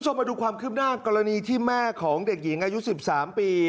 คุณผู้ชมมาดูความขึ้นหน้ากรณีที่แม่ของเด็กหญิงอายุ๑๓ปี